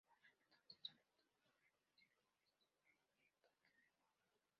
Bach entonces solicitó su renuncia al puesto, que el duque negó.